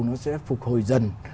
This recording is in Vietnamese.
nó sẽ phục hồi dần